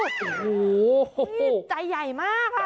โอ้โหใจใหญ่มาก